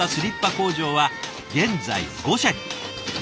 工場は現在５社に。